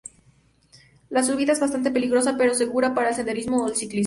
La subida es bastante peligrosa, pero segura para el senderismo o el ciclismo.